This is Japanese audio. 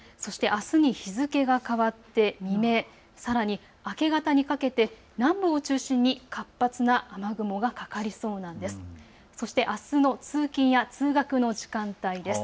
あすに日付が変わって未明、さらに明け方にかけて南部を中心に活発な雨雲がかかりそうなんです。